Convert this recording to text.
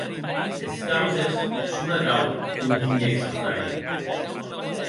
Es causes son atau, contuhèc sa frair.